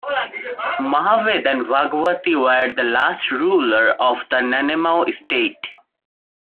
Mahaved and Bhagwati were the last rular of the Nanemau estate.